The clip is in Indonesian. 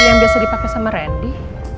ini yang biasa dipake sama randy